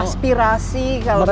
yang aspirasi kalau misalnya ada